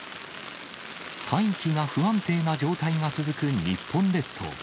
大気が不安定な状態が続く日本列島。